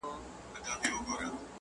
دا څه سِر دی په لاسونو د انسان کي؛